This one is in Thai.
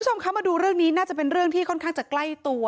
คุณผู้ชมคะมาดูเรื่องนี้น่าจะเป็นเรื่องที่ค่อนข้างจะใกล้ตัว